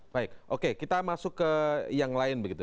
baik oke kita masuk ke yang lain begitu